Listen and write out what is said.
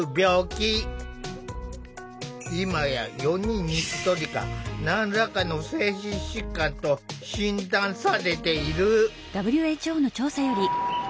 今や４人に１人が何らかの精神疾患と診断されている。